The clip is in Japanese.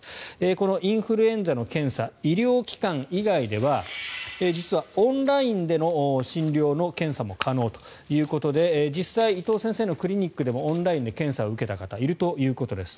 このインフルエンザの検査医療機関以外では実はオンラインでの診療の検査も可能ということで実際、伊藤先生のクリニックでもオンラインで検査を受けた方がいるということです。